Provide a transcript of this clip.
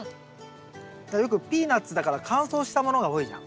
よくピーナツだから乾燥したものが多いじゃん。